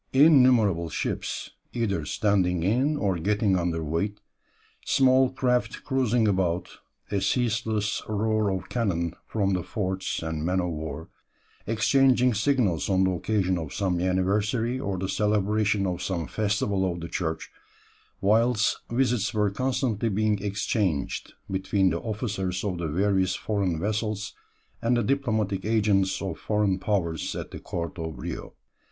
Innumerable ships, either standing in or getting under weigh, small craft cruising about, a ceaseless roar of cannon from the forts and men of war, exchanging signals on the occasion of some anniversary or the celebration of some festival of the church, whilst visits were constantly being exchanged between the officers of the various foreign vessels and the diplomatic agents of foreign powers at the court of Rio."